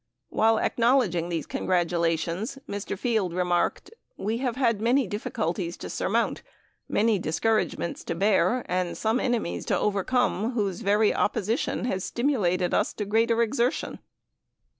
While acknowledging these congratulations, Mr. Field remarked. "We have had many difficulties to surmount, many discouragements to bear, and some enemies to overcome, whose very opposition has stimulated us to greater exertion."